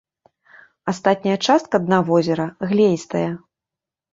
Астатняя частка дна возера глеістая.